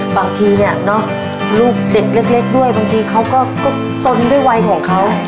บางทีเนี่ยลูกเด็กเล็กด้วยบางทีเขาก็สนด้วยวัยของเขา